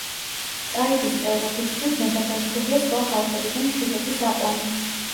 ტაიპის წევრებისთვის ნებადართულია სხვა ხალხებიდან შვილების აყვანა.